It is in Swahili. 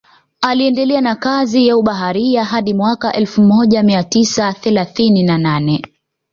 Aliendelea na kazi ya ubaharia hadi mwaka elfu moja mia tisa thelathini na nane